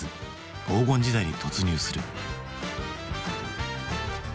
黄金時代に突入する。